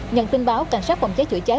nhận tin báo cảnh sát phòng cháy chữa cháy